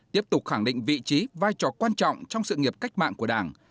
tiếp tục khẳng định vị trí vai trò quan trọng trong sự nghiệp cách mạng của đảng